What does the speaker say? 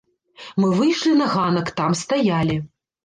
Мы выйшлі на ганак, там стаялі.